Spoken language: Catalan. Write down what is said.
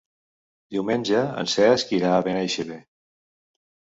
Diumenge en Cesc irà a Benaixeve.